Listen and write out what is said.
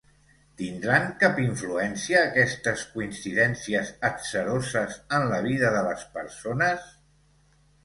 ¿Tindran cap influència aquestes coincidències atzaroses en la vida de les persones?